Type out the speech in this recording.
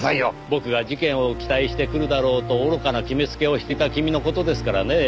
僕が事件を期待して来るだろうと愚かな決めつけをしていた君の事ですからねぇ。